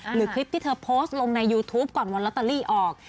หรือคลิปที่เธอโพสต์ลงในยูทูปก่อนวันลอตเตอรี่ออก